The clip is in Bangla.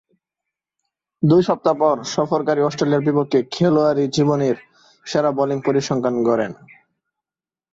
দুই সপ্তাহ পর সফরকারী অস্ট্রেলিয়ার বিপক্ষে খেলোয়াড়ী জীবনের সেরা বোলিং পরিসংখ্যান গড়েন।